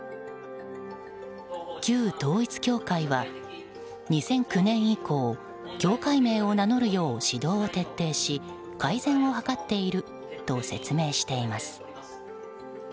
旧統一教会は、２００９年以降教会名を名乗るよう指導を徹底し改善を図っていると説明しています。